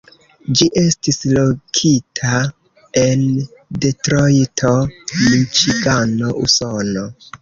Ĝi estas lokita en Detrojto, Miĉigano, Usono.